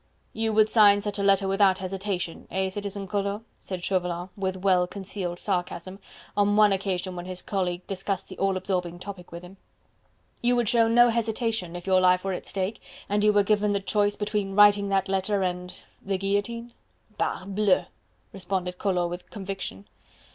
"You would sign such a letter without hesitation, eh, Citizen Collot," said Chauvelin, with well concealed sarcasm, on one occasion when his colleague discussed the all absorbing topic with him; "you would show no hesitation, if your life were at stake, and you were given the choice between writing that letter and... the guillotine?" "Parbleu!" responded Collot with conviction.